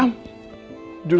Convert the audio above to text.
aku gak dendam